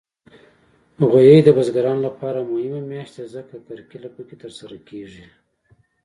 غویی د بزګرانو لپاره مهمه میاشت ده، ځکه کرکیله پکې ترسره کېږي.